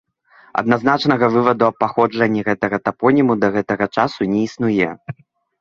Адназначнага вываду аб паходжанні гэтага тапоніма да гэтага часу не існуе.